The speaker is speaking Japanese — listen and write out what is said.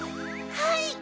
はい！